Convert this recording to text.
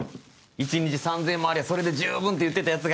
一日３０００円もありゃそれで十分って言ってたヤツが。